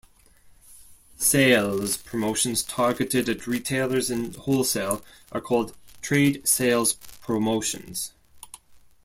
Sales promotions targeted at retailers and wholesale are called trade sales promotions.